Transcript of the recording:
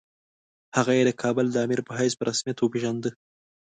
هغه یې د کابل د امیر په حیث په رسمیت وپېژانده.